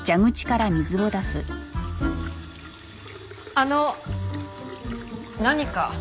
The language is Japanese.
あの何か？